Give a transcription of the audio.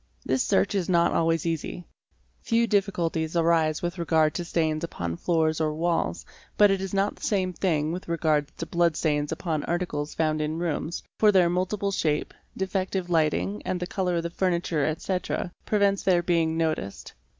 This search is not always easy; few difficulties arise with regard to stains upon floors or walls but it is not the same thing with regards to blood stains upon articles found in rooms, for their multiple shape, defec tive lighting, and the colour of the furniture, etc., prevents their being noticed.